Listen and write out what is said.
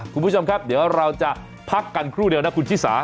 คุณผู้ชมครับเดี๋ยวเราจะพักกันครู่เดียวนะคุณชิสา